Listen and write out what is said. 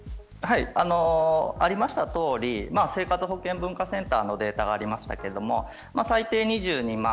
ありましたとおり、生活保健文化センターのデータがありましたが最低２２万